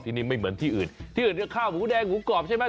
ที่นี่ไม่เหมือนที่อื่นที่อื่นก็ข้าวหมูแดงหมูกรอบใช่ไหม